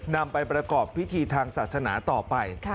นำไปประกอบพิธีทางศาสนาต่อไป